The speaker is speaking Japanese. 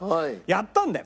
やったんだよ。